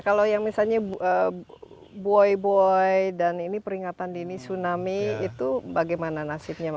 kalau yang misalnya buoy buoy dan ini peringatan dini tsunami itu bagaimana nasibnya